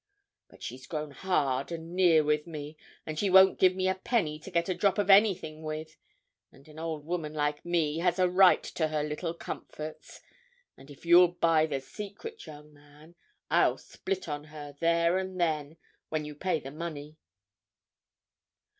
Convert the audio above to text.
But she's grown hard and near with me, and she won't give me a penny to get a drop of anything with, and an old woman like me has a right to her little comforts, and if you'll buy the secret, young man, I'll split on her, there and then, when you pay the money."